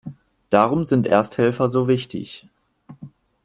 Darum sind Ersthelfer so wichtig.